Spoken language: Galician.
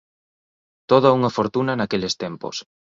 Toda unha fortuna naqueles tempos.